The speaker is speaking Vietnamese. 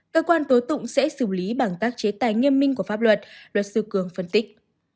cơ quan tố tụng sẽ xử lý bằng các chế tài nghiêm minh của pháp luật luật sư cường phân tích